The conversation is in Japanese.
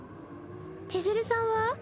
千鶴さんは？